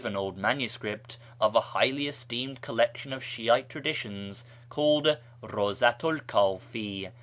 An old manuscript of a highly esteemed collection of Shi'ite traditions called Baivzatu 'l Kdfi.